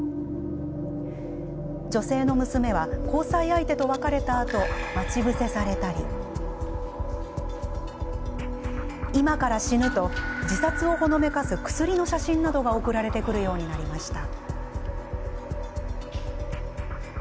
女性の娘は交際相手と別れたあと待ち伏せされたり、今から死ぬと自殺をほのめかす薬の写真などが送られてくるようになりました。